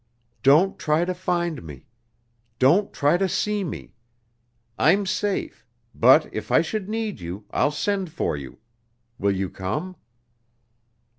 "Don't try to find me. Don't try to see me. I'm safe, but if I should need you, I'll send for you. Will you come?"